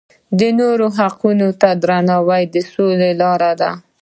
د نورو حقونو ته درناوی د سولې لاره ده.